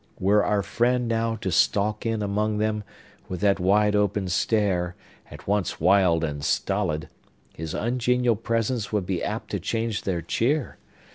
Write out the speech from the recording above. Were our friend now to stalk in among them, with that wide open stare, at once wild and stolid, his ungenial presence would be apt to change their cheer.